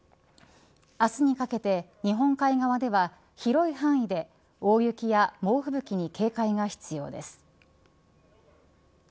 明日にかけて日本海側では広い範囲で大雪や猛吹雪に警戒が必要です。